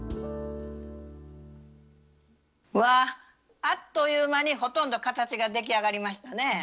うわぁあっという間にほとんど形が出来上がりましたね。